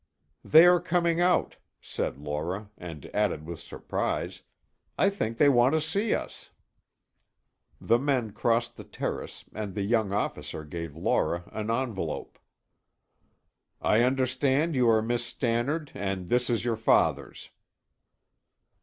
"They are coming out," said Laura, and added with surprise: "I think they want to see us." The men crossed the terrace and the young officer gave Laura an envelope. "I understand you are Miss Stannard and this is your father's."